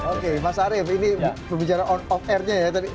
oke mas arief ini berbicara on off airnya ya